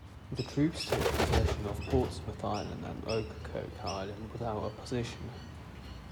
The troops took possession of Portsmouth Island and Ocracoke Island without opposition.